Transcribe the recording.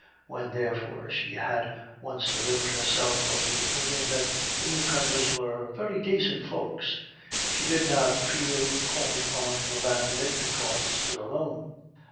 When, therefore, she had once delivered herself of the opinion that the newcomers were "very dacint folks," she did not feel called upon to abandon it because it stood alone.